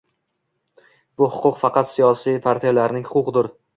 Bu huquq faqat siyosiy partiyalarning huquqidir